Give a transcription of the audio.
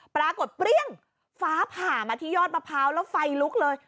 ปรากฏเปรี้ยงฟ้าผ่ามาที่ยอดมะพร้าวแล้วไฟลุกเลย